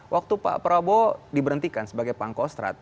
waktu pak prabowo diberhentikan sebagai pangkostrat